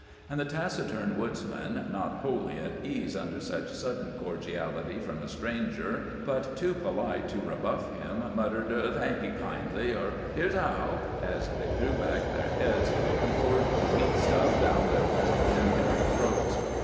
And the taciturn woodsmen, not wholly at ease under such sudden cordiality from a stranger, but too polite to rebuff him, muttered "Thank ye, kindly," or "Here's how," as they threw back their heads and poured the weak stuff down their gaunt and hairy throats.